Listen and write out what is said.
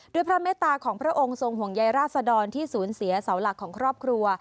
พระเมตตาของพระองค์ทรงห่วงใยราษดรที่สูญเสียเสาหลักของครอบครัว